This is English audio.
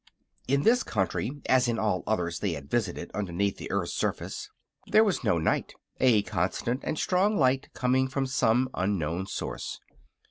In this country, as in all others they had visited underneath the earth's surface, there was no night, a constant and strong light coming from some unknown source.